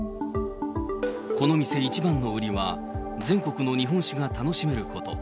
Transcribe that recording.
この店一番の売りは、全国の日本酒が楽しめること。